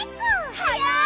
はやい！